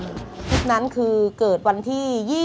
คลิปนั้นคือเกิดวันที่๒๒